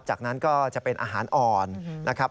จากนั้นก็จะเป็นอาหารอ่อนนะครับ